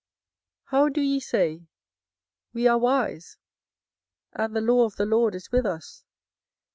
24:008:008 How do ye say, We are wise, and the law of the LORD is with us?